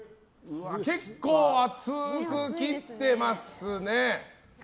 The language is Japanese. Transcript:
結構、厚く切ってますね。